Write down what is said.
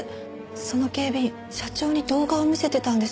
その警備員社長に動画を見せてたんですよ。